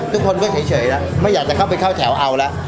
ทุกคนก็เฉยแล้วไม่อยากจะเข้าไปเข้าแถวเอาแล้ว